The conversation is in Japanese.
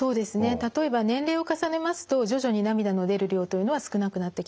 例えば年齢を重ねますと徐々に涙の出る量というのは少なくなってきます。